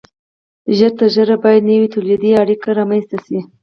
ژر تر ژره باید نوې تولیدي اړیکې رامنځته شي.